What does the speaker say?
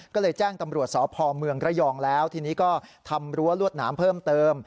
ก็เลยแจ้งตำรวจสพเมืองระยองแล้วทีนี้ก็ทำรั้วลวดหนามเพิ่มเติม